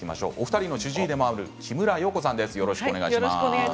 お二人の主治医でもある木村容子さんです。